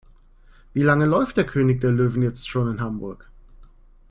Wie lange läuft König der Löwen jetzt schon in Hamburg?